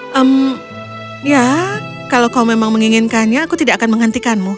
hmm ya kalau kau memang menginginkannya aku tidak akan menghentikanmu